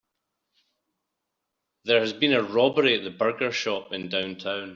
There has been a robbery at the burger shop in downtown.